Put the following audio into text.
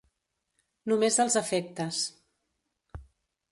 Només als efectes.